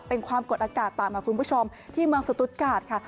เป็นความกดอากาศต่ำค่ะคุณผู้ชมที่เมืองสตูดกาดค่ะ